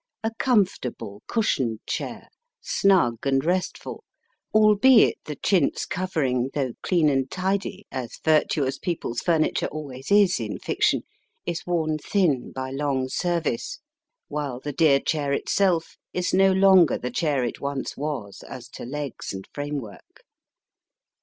A comfortable cushioned chair, snug and restful, albeit the chintz covering, though clean and tidy, as virtuous people s furniture always is in fiction, is worn thin by long service, while the dear chair itself is no longer the chair it once was as to legs and framework.